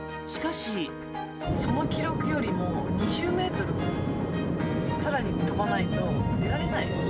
その記録よりも、２０メートルさらに飛ばないと、出られないと。